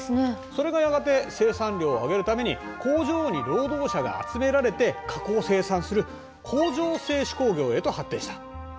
それがやがて生産量を上げるために工場に労働者が集められて加工生産する工場制手工業へと発展した。